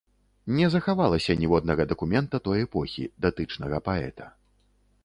Не захавалася ніводнага дакумента той эпохі, датычнага паэта.